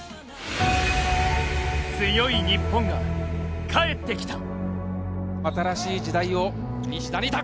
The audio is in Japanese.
強い日本が、帰ってきた。